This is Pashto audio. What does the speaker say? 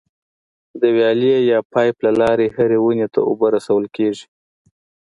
د ویالې یا پایپ له لارې هرې ونې ته اوبه رسول کېږي.